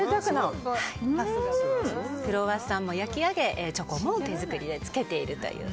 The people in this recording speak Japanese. クロワッサンも焼き上げチョコも手作りでつけているという。